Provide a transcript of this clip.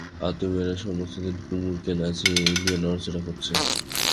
আত্মীয়-মেয়েরা সমস্তদিন কুমুকে নিয়ে নাড়াচাড়া করছে।